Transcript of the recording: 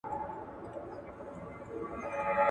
ځينې خلګ له مشرانو سره ړونده مينه کوي.